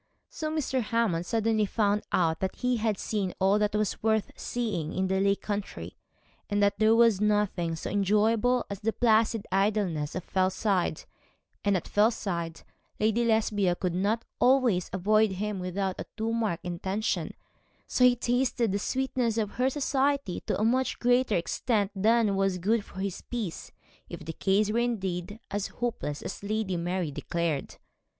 So Mr. Hammond suddenly found out that he had seen all that was worth seeing in the Lake country, and that there was nothing so enjoyable as the placid idleness of Fellside; and at Fellside Lady Lesbia could not always avoid him without a too marked intention, so he tasted the sweetness of her society to a much greater extent than was good for his peace, if the case were indeed as hopeless as Lady Mary declared.